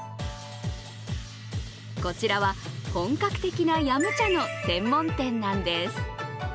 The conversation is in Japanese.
こちらは本格的なヤムチャの専門店なんです。